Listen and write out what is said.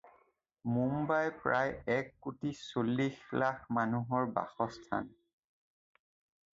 মুম্বাই প্ৰায় এক কোটি চল্লিশ লাখ মানুহৰ বাসস্থান।